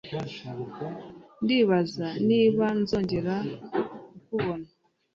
Ndibaza niba nzongera kukubona